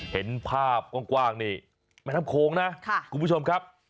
เห็นภาพกว้างนี่แม่น้ำโขงนะคุณผู้ชมครับ